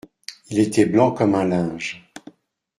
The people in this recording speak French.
Il était blanc comme un linge.